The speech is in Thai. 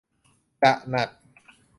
จะหนัก